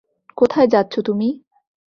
কোথায় যাচ্ছ তুমি?